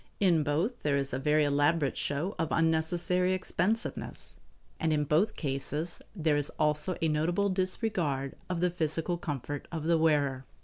In both there is a very elaborate show of unnecessary expensiveness, and in both cases there is also a notable disregard of the physical comfort of the wearer.